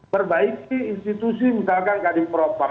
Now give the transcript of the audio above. perbaiki institusi misalkan kadimperopam